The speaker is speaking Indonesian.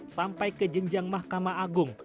sampai ke jenjang mahkamah agung